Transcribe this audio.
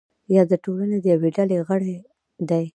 یا د ټولنې د یوې ډلې غړی دی.